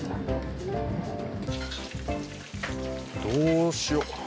どうしよう。